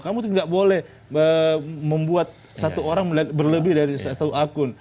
kamu tidak boleh membuat satu orang melihat berlebih dari satu akun